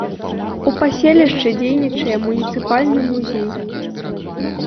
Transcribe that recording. У паселішчы дзейнічае муніцыпальны музей.